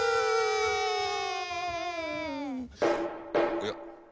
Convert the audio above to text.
おや？